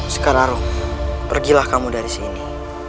sekarang pergilah kamu dari sini